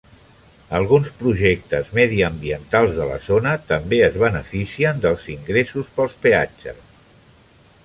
Alguns projectes mediambientals de la zona també es beneficien dels ingressos pels peatges.